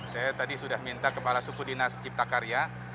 saya tadi sudah minta kepala suku dinas cipta karya